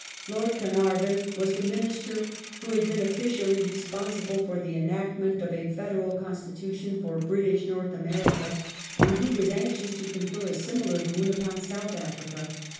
von s policy, Lord Carnarvon was the Minister who had been officially respon I 74 1 77 ^ j^j^ £^^ ^Y^Q enactment of a Federal Constitution for British North America, and he was anxious to confer a similar boon upon South Africa.